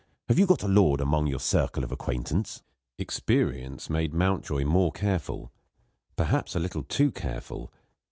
Have you got a lord among your circle of acquaintance?" Experience made Mountjoy more careful; perhaps a little too careful.